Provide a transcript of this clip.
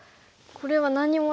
これは何にもないので。